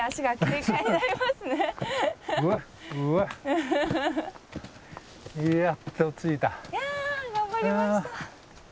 いや頑張りました。